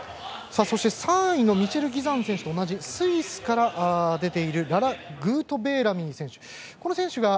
そして、３位のミシェル・ギザン選手と同じスイスから出ているララ・グートベーラミ選手。